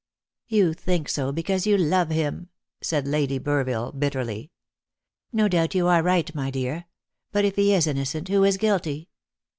"You think so because you love him," said Lady Burville bitterly. "No doubt you are right, my dear; but if he is innocent, who is guilty?